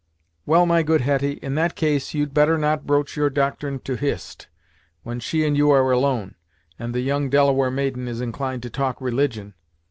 "Well, my good Hetty, in that case you'd better not broach your doctrine to Hist, when she and you are alone, and the young Delaware maiden is inclined to talk religion.